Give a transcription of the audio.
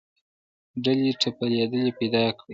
ډلې ټپلې پیدا کړې